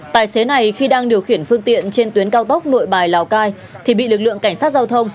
tài xế này khi đang điều khiển phương tiện trên tuyến cao tốc nội bài lào cai thì bị lực lượng cảnh sát giao thông